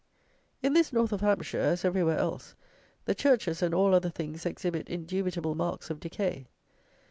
In this North of Hampshire, as everywhere else, the churches and all other things exhibit indubitable marks of decay.